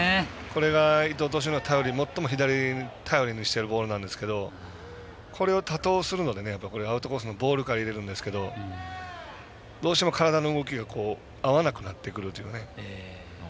これが伊藤投手の頼り最も左で頼りにしているボールなんですけれどもこれを多投するのでアウトコースのボールから入れるんですけれども、どうしても体の動きが合わなくなってくるというかね